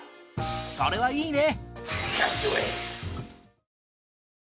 それはいいね！